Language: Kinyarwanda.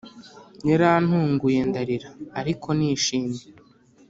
Yarantunguye ndarira ariko nishimye